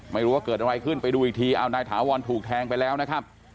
ไม่รู้ว่าเกิดอะไรขึ้นไปดูอีกทีเอานายถาวรถูกแทงไปแล้วนะครับ